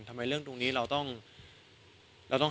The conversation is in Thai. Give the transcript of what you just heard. ทำไมเรื่องตรงนี้เราต้อง